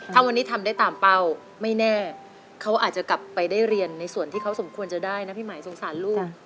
ถ้าวันนี้ทำได้ตามเป้าไม่แน่เขาอาจจะกลับไปได้เรียนในส่วนที่เขาสมควรจะได้นะพี่หมายสงสารลูก